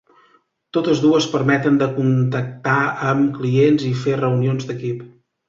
Totes dues permeten de contactar amb clients i fer reunions d’equip.